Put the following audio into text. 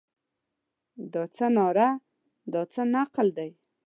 دا څه ناره او څه نقل دی.